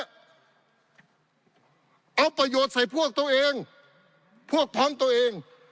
เอาประโยชน์ใส่พวกตัวเองพวกพร้อมตัวเอง